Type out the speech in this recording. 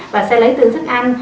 và sẽ lấy từ thức ăn